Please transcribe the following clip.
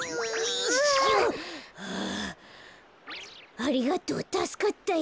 ありがとうたすかったよ。